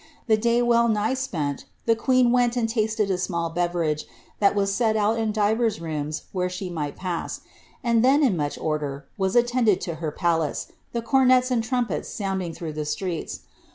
The day well nigh pent, the queen went and tasted a small beverage, that was set out in ifers rooms where she might pass, and then, in much order, was Headed to her palace, the comets and trampets sounding through the treets.